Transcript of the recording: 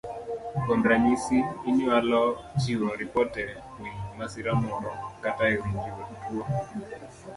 Kuom ranyisi, inyalo chiwo ripot e wi masira moro kata e wi jotuo.